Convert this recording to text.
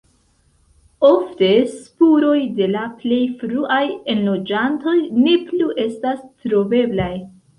Ofte spuroj de la plej fruaj enloĝantoj ne plu estas troveblaj.